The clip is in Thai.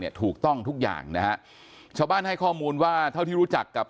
ถูกต้องทุกอย่างนะฮะชาวบ้านให้ข้อมูลว่าเท่าที่รู้จักกับ